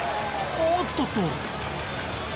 おっとっと。